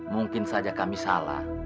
mungkin saja kami salah